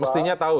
mestinya tahu ya